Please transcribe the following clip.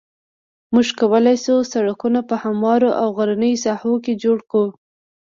موږ کولای شو سرکونه په هموارو او غرنیو ساحو کې جوړ کړو